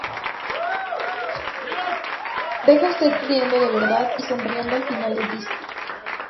Deja usted riendo de verdad y sonriendo al final del disco".